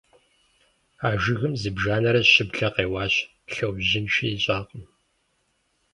А жыгым зыбжанэрэ щыблэ къеуащ, лъэужьынши ищӀакъым.